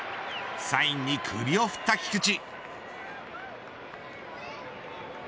サインに首を振った菊池。